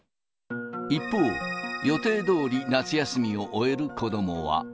一方、予定どおり夏休みを終える子どもは。